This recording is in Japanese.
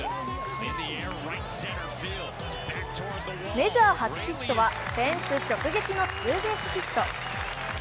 メジャー初ヒットはフェンス直撃のツーベースヒット。